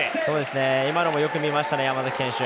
今のもよく見ました山崎選手。